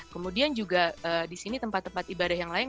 kemudian juga di sini tempat tempat ibadah yang lain